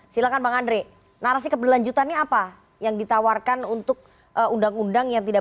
silahkan bang andre narasi keberlanjutannya apa yang ditawarkan untuk undang undang yang tidak